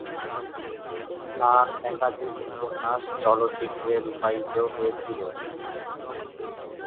তার একাধিক উপন্যাস চলচ্চিত্রে রূপায়িত হয়েছিল।